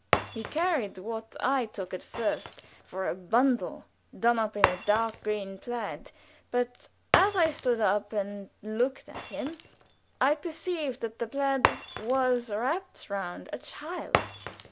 He carried what I took at first for a bundle done up in a dark green plaid, but as I stood up and looked at him I perceived that the plaid was wrapped round a child.